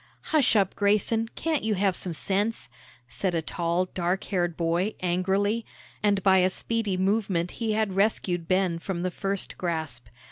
"Hush up, Grayson, can't you have some sense?" said a tall, dark haired boy, angrily, and by a speedy movement he had rescued Ben from the first grasp.